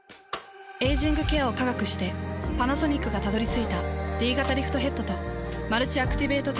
エイジングケアを科学してパナソニックがたどり着いたＤ型リフトヘッドとマルチアクティベートテクノロジー。